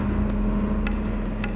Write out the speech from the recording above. kamu mau jalan